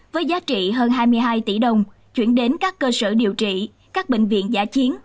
với giá trị hơn hai mươi hai tỷ đồng chuyển đến các cơ sở điều trị các bệnh viện giả chiến